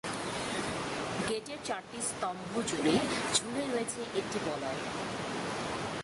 গেটের চারটি স্তম্ভ জুড়ে ঝুলে রয়েছে একটি বলয়।